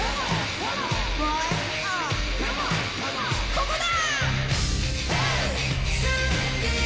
ここだ！